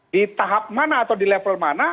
di tahap mana atau di level mana